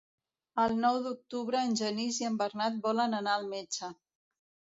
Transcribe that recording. El nou d'octubre en Genís i en Bernat volen anar al metge.